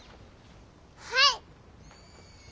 はい！